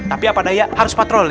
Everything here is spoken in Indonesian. tapi apa daya harus patroli